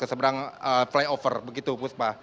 keseberang flyover begitu puspa